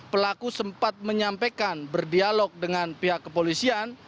pelaku sempat menyampaikan berdialog dengan pihak kepolisian